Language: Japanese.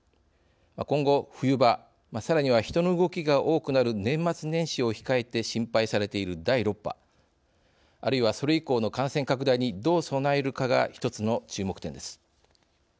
今後、冬場、さらには人の動きが多くなる年末年始を控えて心配されている第６波あるいは、それ以降の感染拡大にどう備えるかが一つの注目点です。